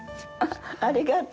ありがとう！